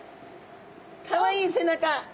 かわいい背中。